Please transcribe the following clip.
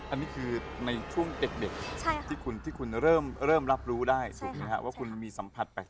อันนี้คือในช่วงเด็กที่คุณเริ่มรับรู้ได้ถูกไหมครับว่าคุณมีสัมผัสไป